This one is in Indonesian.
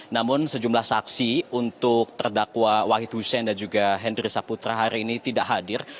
namun sejumlah saksi untuk terdakwa wahid hussein dan juga hendri saputra hari ini tidak hadir